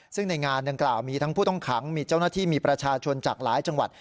ซึ่งในงานดังกล่าวมีทั้งผู้ต้องขังมีเจ้าหน้าที่มีประชาชนจากหลายจังหวัด